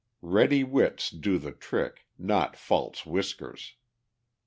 Ready wits do the trick—not false whiskers.